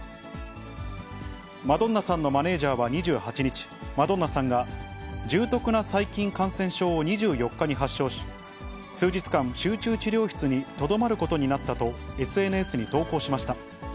マドンナさんのマネージャーは２８日、マドンナさんが重篤な細菌感染症を２４日に発症し、数日間、集中治療室にとどまることになったと、ＳＮＳに投稿しました。